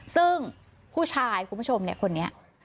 ซึ่งผู้ชายคุณผู้ชมคนนี้